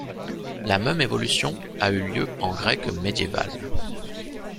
La même évolution a eu lieu en grec médiéval.